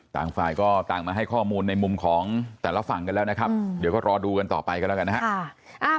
ต่างฝ่ายก็ต่างมาให้ข้อมูลในมุมของแต่ละฝั่งกันแล้วนะครับเดี๋ยวก็รอดูกันต่อไปกันแล้วกันนะครับ